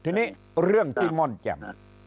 ทีนี้เรื่องที่ม่อนแจ่ม